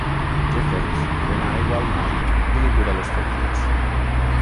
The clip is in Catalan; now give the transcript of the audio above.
Jeffords li dona aigua al noi i li cura les ferides.